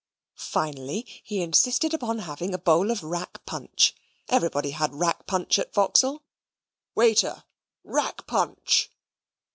Finally, he insisted upon having a bowl of rack punch; everybody had rack punch at Vauxhall. "Waiter, rack punch."